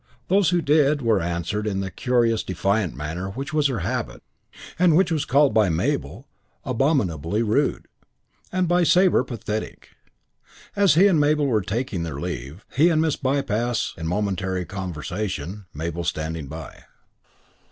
Those who did were answered in the curiously defiant manner which was her habit and which was called by Mabel abominably rude, and by Sabre pathetic. As he and Mabel were taking their leave, he had Miss Bypass in momentary conversation, Mabel standing by.